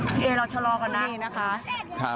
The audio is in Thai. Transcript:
พี่เอเราจะรอก่อนนะ